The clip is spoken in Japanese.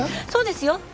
そうですよ！